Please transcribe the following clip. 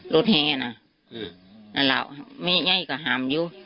รถแฮน่ะรถแฮน่ะอืมแล้วไม่ไงก็หามอยู่